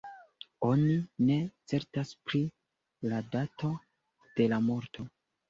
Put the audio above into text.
Oni ne certas pri la dato de la morto.